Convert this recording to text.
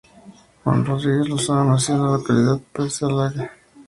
Juan Rodríguez Lozano nació en la localidad pacense de Alange.